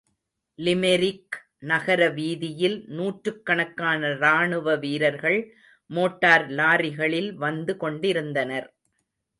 Limerick நகர வீதியில் நூற்றுக்கணக்கான ராணுவ வீரர்கள் மோட்டார் லாரிகளில் வந்து கொண்டிருந்தனர்.